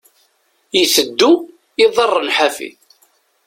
Iteddu, iḍarren ḥafi.